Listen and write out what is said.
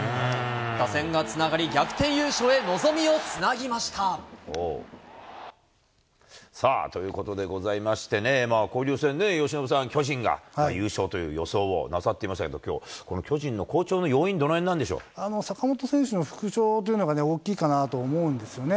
打線がつながり逆転優勝へ望さあ、ということでございましてね、交流戦ね、由伸さん、巨人が優勝という予想をなさっていましたけれども、きょう巨人の坂本選手の復調というのが大きいかなと思うんですよね。